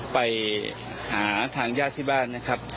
ไปหาทางญาติที่บ้านนะครับ